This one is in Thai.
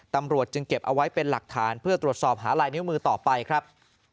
ตำรวจจึงเก็บเอาไว้เป็นหลักฐานเพื่อตรวจสอบหาลายนิ้วมือต่อไปครับ